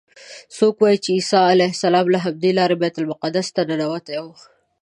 څوک وایي عیسی علیه السلام له همدې لارې بیت المقدس ته ننوتلی و.